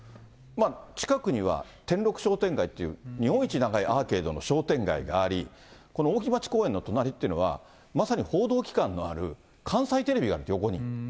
近くにはてんろく商店街という、日本一長いアーケードの商店街があり、この扇町公園の隣というのはまさに報道機関がある関西テレビがある、横に。